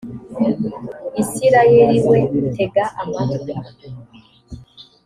isirayeli we tega amatwi